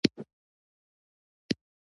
دوی نړۍ د نفوذ په ډګرونو ویشلې ده